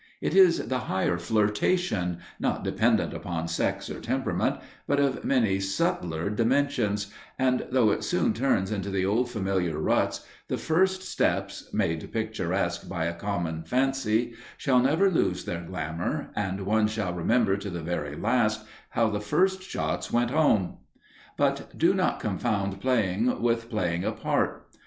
It is the higher flirtation, not dependent upon sex or temperament, but of many subtler dimensions, and though it soon turns into the old familiar ruts, the first steps, made picturesque by a common fancy, shall never lose their glamour, and one shall remember to the very last how the first shots went home. But do not confound playing with playing a part.